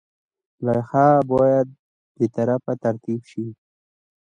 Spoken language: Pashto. لایحه باید بې طرفه ترتیب شي.